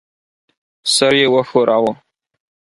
سر یې وښوراوه.